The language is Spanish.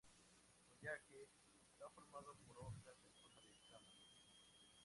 El follaje está formado por hojas en forma de escamas.